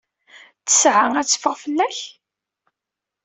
Ttesɛa ad teffeɣ fell-ak?